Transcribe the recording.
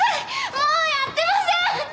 もうやってません！